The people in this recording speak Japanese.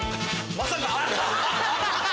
まさか？